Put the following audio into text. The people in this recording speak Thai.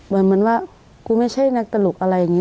เหมือนว่ากูไม่ใช่นักตลกอะไรอย่างนี้